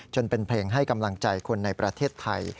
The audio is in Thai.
เป็นเพลงให้กำลังใจคนในประเทศไทย